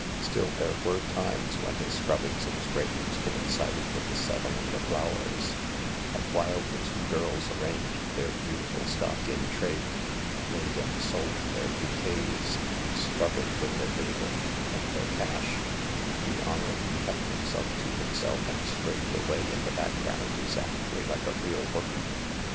Still, there were times when his scrubbings and scrapings coincided with the selling of the flowers, and while the two girls arranged their beauti ful stock in trade, made and sold their bouquets, and struggled with their day book and their cash, he honourably kept him self to himself and scraped away in the background exactly like a real workman.